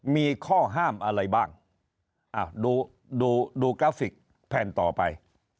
มีข้อห้ามอะไรบ้างดูดูกราฟิกแผ่นต่อไป